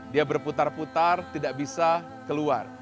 dia berputar putar tidak bisa keluar